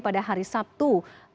pada hari sabtu